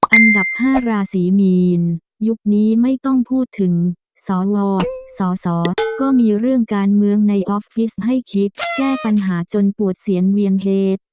อันดับ๕ราศีมีนยุคนี้ไม่ต้องพูดถึงสวสอสอก็มีเรื่องการเมืองในออฟฟิศให้คิดแก้ปัญหาจนปวดเสียงเวียงเหตุ